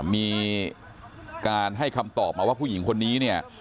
มีการให้คำตอบมาว่าผู้หญิงคนนี้เนี่ย